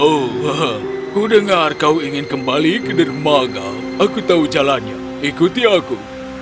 oh ku dengar kau ingin kembali ke dermaga aku tahu jalannya ikuti aku